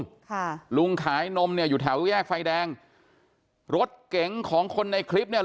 ค่ะลุงขายนมเนี่ยอยู่แถวแยกไฟแดงรถเก๋งของคนในคลิปเนี้ย